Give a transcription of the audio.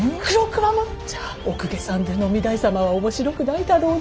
じゃお公家さん出の御台様は面白くないだろうね。